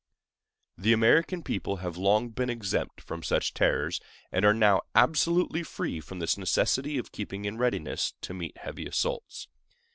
The American people have long been exempt from such terrors, and are now absolutely free from this necessity of keeping in readiness to meet heavy assaults.